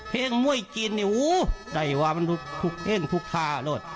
เพลงมวยจีนเนี่ยโอ้ยใดว่ามนุษย์ทุกเองทุกทาโลด